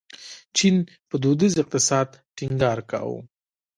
چین په دودیز اقتصاد ټینګار کاوه.